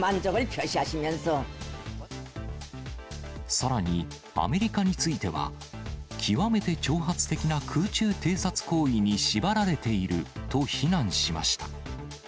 さらに、アメリカについては、極めて挑発的な空中偵察行為に縛られていると非難しました。